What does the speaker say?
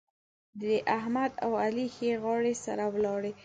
د احمد او علي ښې غاړې سره ولاړې.